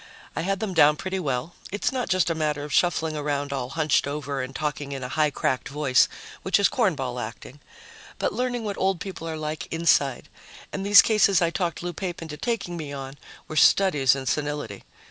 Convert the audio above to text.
I had them down pretty well it's not just a matter of shuffling around all hunched over and talking in a high cracked voice, which is cornball acting, but learning what old people are like inside and these cases I talked Lou Pape into taking me on were studies in senility.